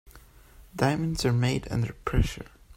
Diamonds are made under pressure.